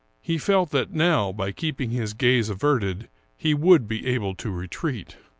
He felt that now, by keeping his gaze averted, he would be able to retreat.